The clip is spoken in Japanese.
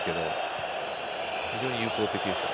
非常に有効的ですよね。